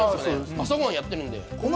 朝ご飯もやってるんですよ。